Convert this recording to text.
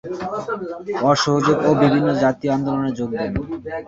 অসহযোগ ও বিভিন্ন জাতীয় আন্দোলনের যোগ দেন।